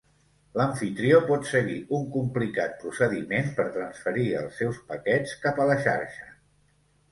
L'amfitrió pot seguir un complicat procediment per transferir els seus paquets cap a la xarxa.